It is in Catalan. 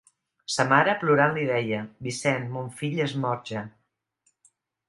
Sa mare, plorant li deia: «Vicent, mon fill és mort ja!»